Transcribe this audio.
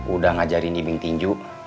udah ngajarin ibing tinju